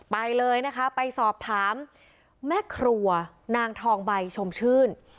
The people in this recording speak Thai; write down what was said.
ไปเลยนะคะไปสอบถามแม่ครัวนางทองใบชมชื่น